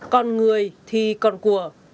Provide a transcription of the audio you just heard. còn người thì còn của